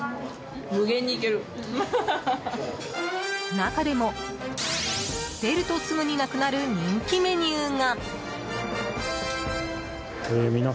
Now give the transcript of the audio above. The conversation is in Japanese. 中でも、出るとすぐになくなる人気メニューが。